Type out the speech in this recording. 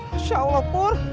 masya allah pur